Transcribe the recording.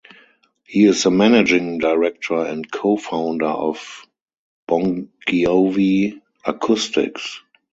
He is the Managing Director and co-founder of Bongiovi Acoustics.